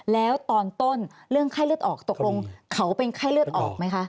แล้วตอนต้นเรื่องไข้เลือดออกตกลงเขาเป็นไข้เลือดออกไหมคะ